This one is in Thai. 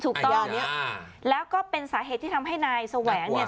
ถูกต้องแล้วก็เป็นสาเหตุที่ทำให้นายแสวงเนี่ย